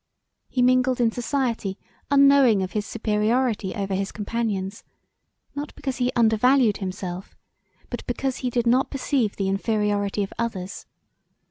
He mingled in society unknowing of his superiority over his companions, not because he undervalued himself but because he did not perceive the inferiority of others.